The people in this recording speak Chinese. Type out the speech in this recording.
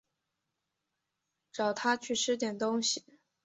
找她去吃点东西